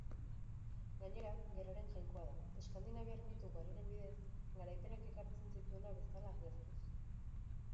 Gainera, gerraren jainkoa da, eskandinaviar mito ugariren bidez, garaipenak ekartzen zituena bezala agertuz.